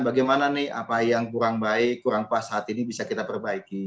bagaimana nih apa yang kurang baik kurang pas saat ini bisa kita perbaiki